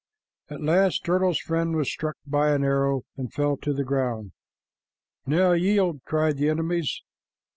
At last Turtle's friend was struck by an arrow and fell to the ground. "Now yield!" cried the enemies.